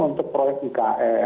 untuk proyek ikn